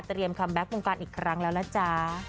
เตรียมคัมแบ็ควงการอีกครั้งแล้วล่ะจ๊ะ